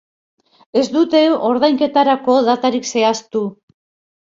Ez dute ordainketarako datarik zehaztu.